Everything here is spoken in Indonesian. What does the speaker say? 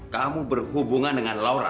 kamu berhubungan dengan laura